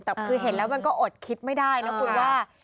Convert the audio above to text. แต่คือเห็นแล้วมันก็อดคิดไม่ได้นะคุณว่า